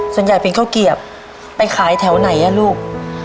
ส่วนใหญ่เป็นข้าวเกียบไปขายแถวไหนอ่ะลูก